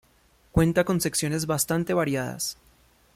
Cuenta con secciones bastante variadas.